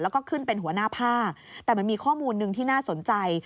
แล้วก็ขึ้นเป็นหัวหน้าภาคแต่มันมีข้อมูลหนึ่งที่น่าสนใจ